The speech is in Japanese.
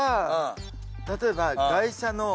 例えば。